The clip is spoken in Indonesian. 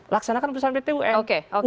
laksanakan putusan pt un